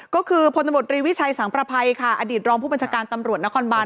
ก็คือพลตำรวจรีวิชัยสังประภัยค่ะอดีตรองผู้บัญชาการตำรวจนครบาน